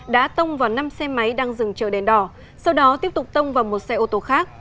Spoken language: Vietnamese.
đã tông vào năm xe máy đang dừng chờ đèn đỏ sau đó tiếp tục tông vào một xe ô tô khác